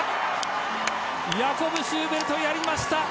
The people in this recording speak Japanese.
ヤコブ・シューベルトやりました！